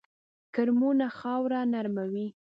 کرمونه خاوره نرموي